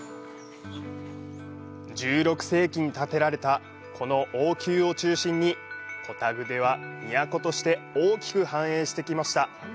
１６世紀に建てられたこの王宮を中心にコタグデは都として大きく繁栄しました。